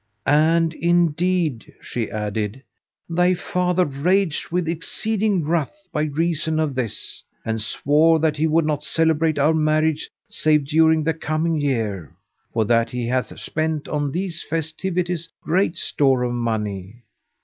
"And indeed," she added, "thy father raged with exceeding wrath by reason of this, and swore that he would not celebrate our marriage save during the coming year, for that he hath spent on these festivities great store of money."